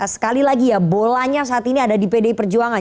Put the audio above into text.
sekali lagi ya bolanya saat ini ada di pdi perjuangan